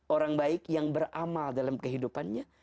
orang baik yang beramal dalam kehidupannya